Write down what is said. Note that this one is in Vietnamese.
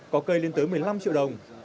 có cây lên tới một mươi năm triệu đồng